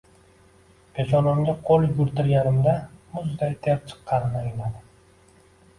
Peshanamga qo`l yugurtirganimda, muzday ter chiqqanini angladim